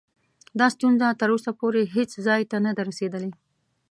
دا ستونزه تر اوسه پورې هیڅ ځای ته نه ده رسېدلې.